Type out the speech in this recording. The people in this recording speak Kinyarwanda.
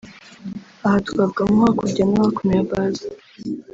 Aha twavuga nko “hakurya no hakuno ya Base”